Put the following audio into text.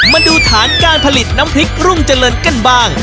มาดูฐานการผลิตน้ำพริกรุ่งเจริญกันบ้าง